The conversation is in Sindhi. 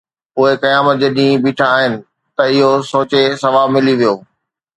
اهي قيامت جي ڏينهن بيٺا آهن، ته اهو سوچي ثواب ملي ويو